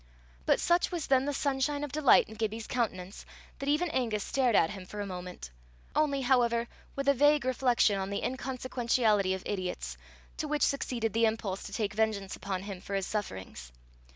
But such was then the sunshine of delight in Gibbie's countenance that even Angus stared at him for a moment only, however, with a vague reflection on the inconsequentiality of idiots, to which succeeded the impulse to take vengeance upon him for his sufferings.